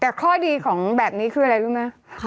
แต่ข้อดีของแบบนี้คืออะไรรู้ไหม